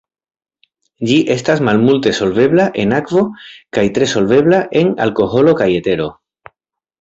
Ĝi estas malmulte solvebla en akvo kaj tre solvebla en alkoholo kaj etero.